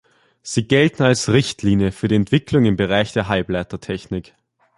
Sie gelten als Richtlinie für die Entwicklung im Bereich der Halbleitertechnik.